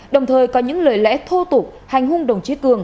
đồng thời có những lời lẽ thô tục hành hung đồng chí cường